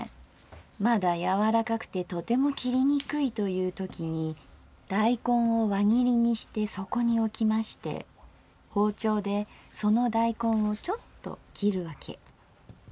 まだやわらかくてとても切りにくいというときに大根を輪切りにしてそこに置きまして包丁でその大根をちょっと切るわけ。